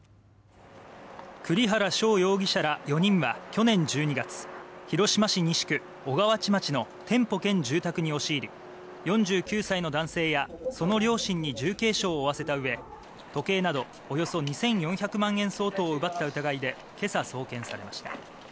栗原翔容疑者ら４人は去年１２月広島市西区小河内町の店舗兼住宅に押し入り４９歳の男性やその両親に重軽傷を合わせたうえ時計などおよそ２４００万円相当を奪った疑いで今朝、送検されました。